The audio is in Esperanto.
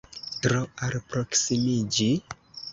Tro alproksimiĝi?